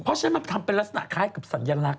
เพราะฉะนั้นมันทำเป็นลักษณะคล้ายกับสัญลักษณ